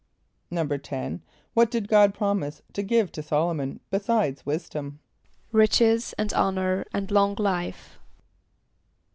= =10.= What did God promise to give to S[)o]l´o mon besides wisdom? =Riches, and honor, and long life.